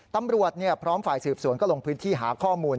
ตำรวจพร้อมฝ่ายสืบสวนก็ลงพื้นที่หาข้อมูล